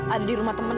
ada di rumah temen